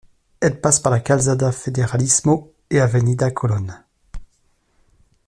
Elle passe par le Calzada Federalismo et Avenida Colón.